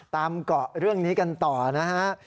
เกาะเรื่องนี้กันต่อนะฮะ